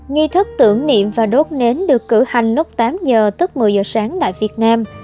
nghi thức tưởng niệm và đốt nến được cử hành lúc tám giờ tức một mươi giờ sáng tại việt nam